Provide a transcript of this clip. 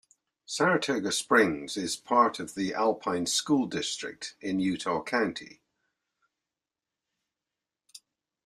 Saratoga Springs is part of the Alpine School District in Utah County.